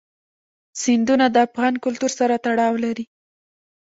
سیندونه د افغان کلتور سره تړاو لري.